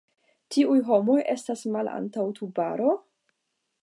Kiuj homoj estas malantaŭ Tubaro?